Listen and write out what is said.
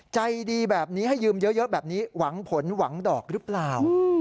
ใจดีแบบนี้ให้ยืมเยอะแบบนี้หวังผลหวังดอกหรือเปล่า